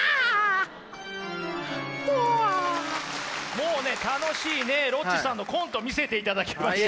もうね楽しいねロッチさんのコント見せていただきました。